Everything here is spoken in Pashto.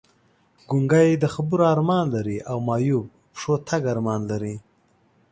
ګونګی د خبرو ارمان لري او معیوب پښو تګ ارمان لري!